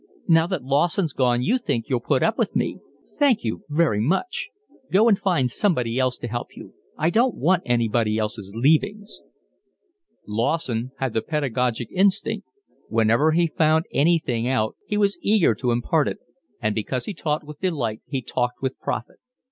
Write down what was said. "Now that Lawson's gone you think you'll put up with me. Thank you very much. Go and find somebody else to help you. I don't want anybody else's leavings." Lawson had the pedagogic instinct; whenever he found anything out he was eager to impart it; and because he taught with delight he talked with profit.